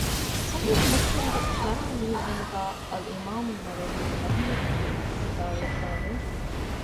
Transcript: ޞަޙީޙު މުސްލިމުގެ ޝަރަޙަލިޔުއްވުމުގައި އަލްއިމާމުއްނަވަވީ ރަޙިމަހު ވިދާޅުވެފައިވެ